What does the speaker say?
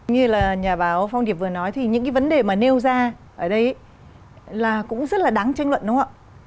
như là nhà báo phong điệp vừa nói thì những cái vấn đề mà nêu ra ở đây là cũng rất là đáng tranh luận đúng không ạ